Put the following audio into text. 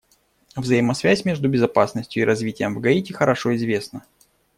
Взаимосвязь между безопасностью и развитием в Гаити хорошо известна.